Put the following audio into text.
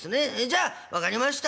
じゃあ分かりました。